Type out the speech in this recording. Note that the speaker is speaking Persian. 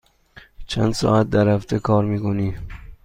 چند ساعت در هفته کار می کنی؟